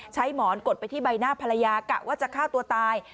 หมอนกดไปที่ใบหน้าภรรยากะว่าจะฆ่าตัวตาย